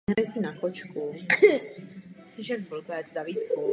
Jedná se o významného zakladatele moderního slovenského sochařství.